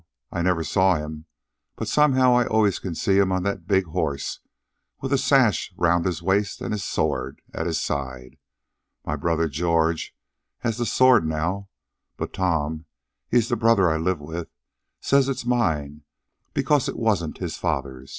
I never saw him, but somehow I always can see him on that big horse, with a sash around his waist and his sword at his side. My brother George has the sword now, but Tom he's the brother I live with says it is mine because it wasn't his father's.